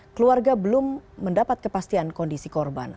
keluarga belum mendapat kepastian kondisi korban